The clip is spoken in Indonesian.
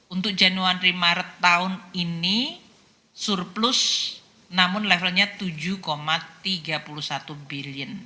untuk januari maret tahun ini surplus namun levelnya tujuh tiga puluh satu billion